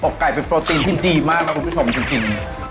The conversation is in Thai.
ไก่เป็นโปรตีนที่ดีมากนะคุณผู้ชมจริง